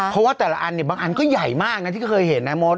เพราะว่าแต่ละอันเนี่ยบางอันก็ใหญ่มากนะที่เคยเห็นนะมด